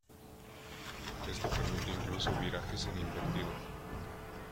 Esto permite incluso virajes en invertido.